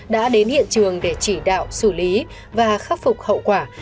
đã đến hiện trường để chỉ đạo xử lý và khắc phục hậu quả